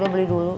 diam sekali dulu